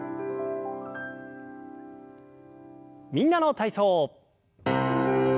「みんなの体操」。